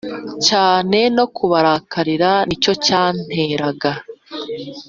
Cyane no kubarakarira ni cyo cyanteraga